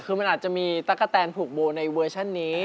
คือมันอาจจะมีตั๊กกะแตนผูกโบในเวอร์ชันนี้